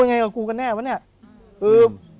ผมก็ไม่เคยเห็นว่าคุณจะมาทำอะไรให้คุณหรือเปล่า